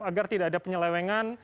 agar tidak ada penyelewengan